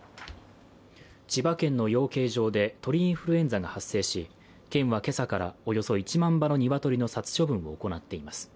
千葉県の養鶏場で鳥インフルエンザが発生し県は今朝からおよそ１万羽の鶏の殺処分を行っています。